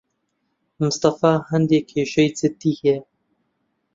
مستەفا هەندێک کێشەی جددی هەیە.